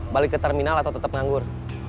balik ke terminal atau tetap nganggur